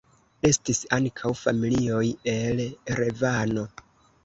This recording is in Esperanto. Estis ankaŭ familioj el Erevano.